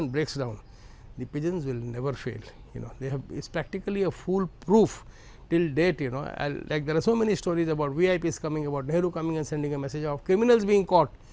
beberapa dapat hidup